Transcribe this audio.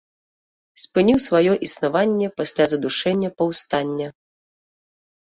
Спыніў сваё існаванне пасля задушэння паўстання.